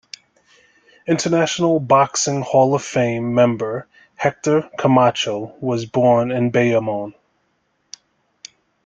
International Boxing Hall of Fame member Hector Camacho was born in Bayamon.